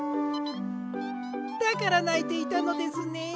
だからないていたのですね。